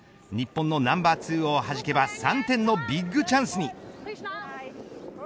日本のナンバー２をはじけば３点のビッグチャンスに。